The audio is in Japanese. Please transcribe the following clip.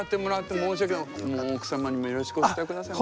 もう奥様にもよろしくお伝えください。